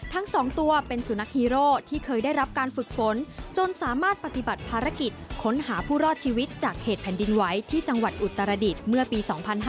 ทั้ง๒ตัวเป็นสุนัขฮีโร่ที่เคยได้รับการฝึกฝนจนสามารถปฏิบัติภารกิจค้นหาผู้รอดชีวิตจากเหตุแผ่นดินไหวที่จังหวัดอุตรดิษฐ์เมื่อปี๒๕๕๙